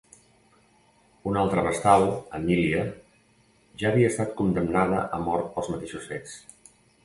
Una altra vestal, Emília, ja havia estat condemnada a mort pels mateixos fets.